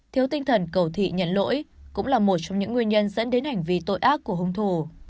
thiếu tinh thần cầu thị nhận lỗi cũng là một trong những nguyên nhân dẫn đến hành vi tội ác của hung thủ